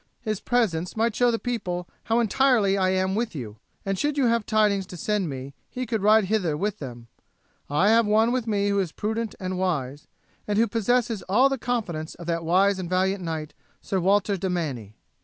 His presence might show the people how entirely I am with you; and should you have tidings to send me he could ride hither with them. I have one with me who is prudent and wise, and who possesses all the confidence of that wise and valiant knight, Sir Walter de Manny."